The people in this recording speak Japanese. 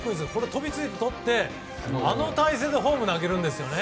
飛びついて、とってあの体勢でホームに投げるんです。